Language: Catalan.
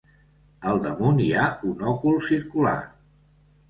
Al damunt hi ha un òcul circular.